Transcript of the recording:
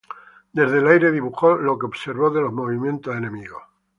Desde el aire dibujó lo que observó de los movimientos enemigos.